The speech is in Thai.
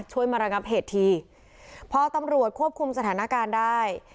ช่วยมารังรับเหตูทีเพราะตำรวจควบคุมสถานการณ์ได้